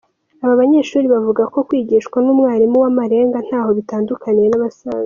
Aba banyeshuri bavuga ko kwigishwa n’umwarimu w’amarenga ntaho bitandukaniye n’abasanzwe.